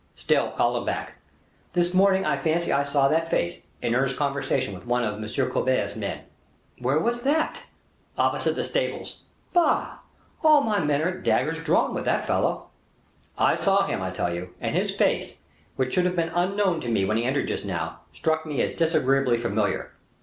"Still, call him back. This morning I fancy I saw that face, in earnest conversation with one of M. Colbert's men." "Where was that?" "Opposite the stables." "Bah! all my people are at daggers drawn with that fellow." "I saw him, I tell you, and his face, which should have been unknown to me when he entered just now, struck me as disagreeably familiar."